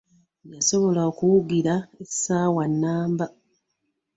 Yasobola okuwugira essaawa namba.